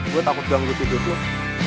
gue takut ganggu tidur tuh